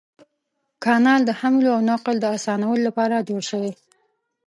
کانال د حمل او نقل د اسانولو لپاره جوړ شوی.